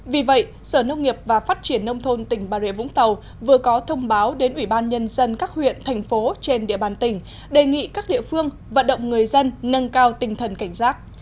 vì vậy sở nông nghiệp và phát triển nông thôn tỉnh bà rịa vũng tàu vừa có thông báo đến ủy ban nhân dân các huyện thành phố trên địa bàn tỉnh đề nghị các địa phương vận động người dân nâng cao tinh thần cảnh giác